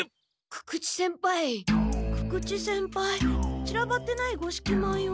久々知先輩ちらばってない五色米を。